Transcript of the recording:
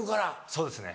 そうですね